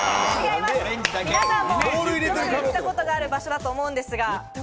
皆さんも行ったことある場所だと思うんですが。